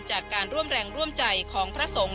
จากการร่วมแรงร่วมใจของพระสงฆ์